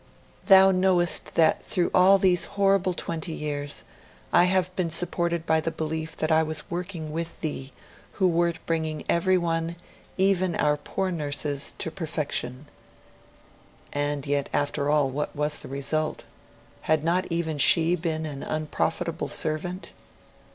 'Thou knowest that through all these horrible twenty years, I have been supported by the belief that I was working with Thee who would bring everyone, even our poor nurses, to perfection' and yet, after all, what was the result? Had not even she been an unprofitable servant?